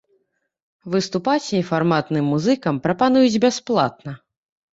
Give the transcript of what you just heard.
Выступаць нефарматным музыкам прапануюць бясплатна.